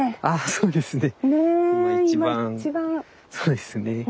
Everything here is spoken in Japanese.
そうですね。